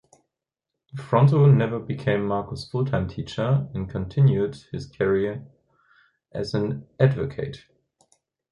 Fronto never became Marcus' full-time teacher, and continued his career as an advocate.